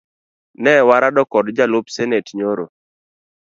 Ne warado kod jalup senate nyoro